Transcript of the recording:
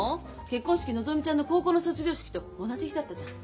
結婚式のぞみちゃんの高校の卒業式と同じ日だったじゃん。